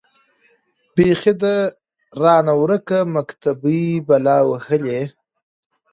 بيـخي ده رانـه وركه مــكتبۍ بــلا وهــلې.